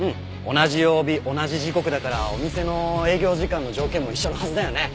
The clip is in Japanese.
同じ曜日同じ時刻だからお店の営業時間の条件も一緒のはずだよね。